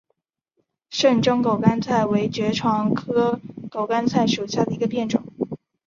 滇中狗肝菜为爵床科狗肝菜属下的一个变种。